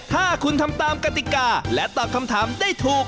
ถ้าคุณทำตามกติกาและตอบคำถามได้ถูก